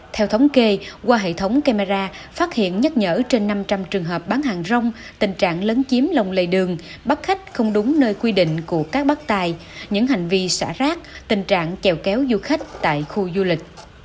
theo thống kê qua hệ thống camera phát hiện nhắc nhở trên năm trăm linh trường hợp bán hàng rong tình trạng lấn chiếm lòng lề đường bắt khách không đúng nơi quy định của các bác tài những hành vi xả rác tình trạng chèo kéo du khách tại khu du lịch